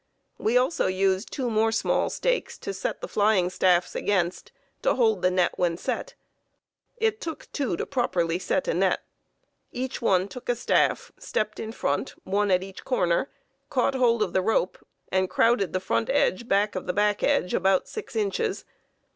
We also used two more small stakes to set the flying staffs against, to hold the net when set. It took two to properly set a net. Each one took a staff, stepped in front, one at each corner, caught hold of the rope, and crowded the front edge back of the back edge about six inches.